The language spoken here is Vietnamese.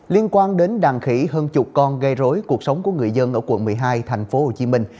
liên quan đến đàn khỉ hơn chục con gây rối cuộc sống của người dân ở quận một mươi hai thành phố hồ chí minh